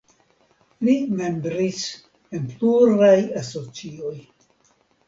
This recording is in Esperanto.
Li membris en pluraj asocioj.